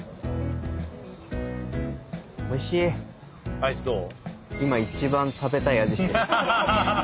アイスどう？